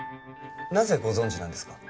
なぜご存じなんですか